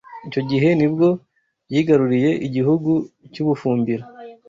Icyo gihe nibwo yigaruriye igihugu cy’u Bufumbira